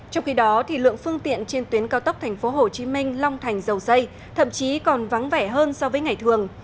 trong khi đó lượng phương tiện trên tuyến cao tốc tp hcm long thành dầu dây thậm chí còn vắng vẻ hơn so với ngày thường